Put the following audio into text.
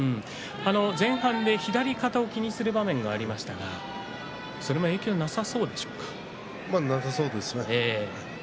前半で肩を気にする場面がありましたがなさそうですね。